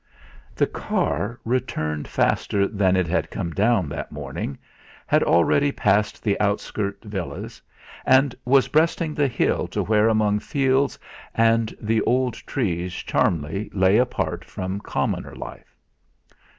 The car, returning faster than it had come down that morning, had already passed the outskirt villas, and was breasting the hill to where, among fields and the old trees, Charmleigh lay apart from commoner life.